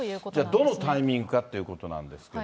じゃあどのタイミングかということなんですけど。